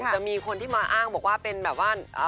จะมีคนที่มาอ้างบอกว่าเป็นแบบว่า